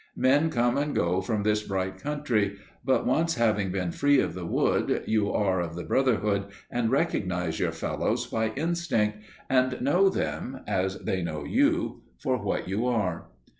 Men come and go from this bright country, but once having been free of the wood, you are of the Brotherhood and recognize your fellows by instinct, and know them, as they know you, for what you are.